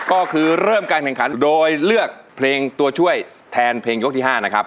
ก็คือเริ่มการแข่งขันโดยเลือกเพลงตัวช่วยแทนเพลงยกที่๕นะครับ